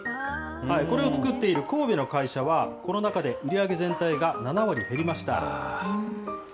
これを作っている神戸の会社は、コロナ禍で売り上げ全体が７割減りました。